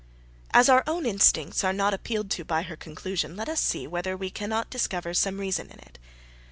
As our own instincts are not appealed to by her conclusion, let us see whether we cannot discover some reason in it.